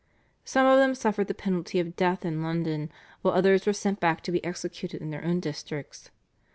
Some of them suffered the penalty of death in London, while others were sent back to be executed in their own districts.